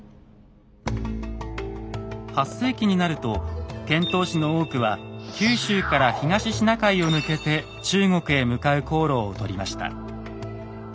８世紀になると遣唐使の多くは九州から東シナ海を抜けて中国へ向かう航路をとりました。